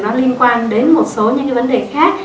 nó liên quan đến một số những cái vấn đề khác